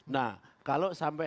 nah kalau sampai